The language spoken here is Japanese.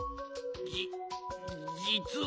じじつは。